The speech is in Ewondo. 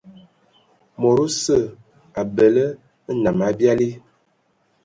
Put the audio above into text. Mod osə abələ nnam abiali.